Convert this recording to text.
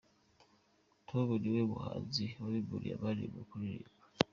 Tom niwe muhanzi wabimburiye abandi mu kuririmba.